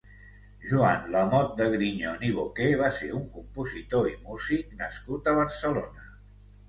Joan Lamote de Grignon i Bocquet va ser un compositor i músic nascut a Barcelona.